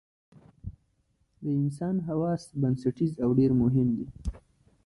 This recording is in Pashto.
د انسان حواس بنسټیز او ډېر مهم دي.